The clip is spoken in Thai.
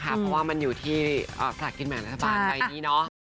เพราะว่ามันอยู่ที่สลากกินแบ่งรัฐบาลใบนี้เนาะ